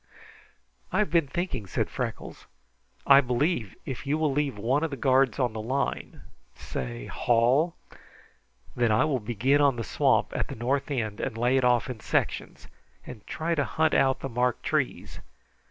"I have been thinking," said Freckles. "I believe if you will leave one of the guards on the line say Hall that I will begin on the swamp, at the north end, and lay it off in sections, and try to hunt out the marked trees.